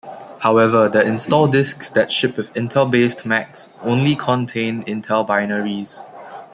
However, the install discs that ship with Intel-based Macs only contain Intel binaries.